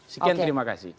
sekian terima kasih